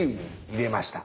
入れました。